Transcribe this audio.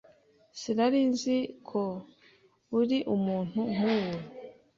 Sinari nzi ko uri umuntu nkuwo.